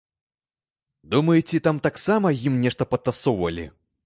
Думаеце, там таксама ім нешта падтасоўвалі?